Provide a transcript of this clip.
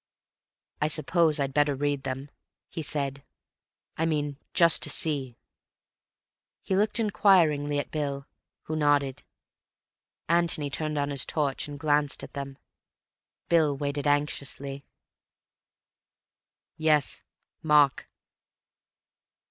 "I suppose I'd better read them," he said. "I mean, just to see—" He looked inquiringly at Bill, who nodded. Antony turned on his torch and glanced at them. Bill waited anxiously. "Yes. Mark....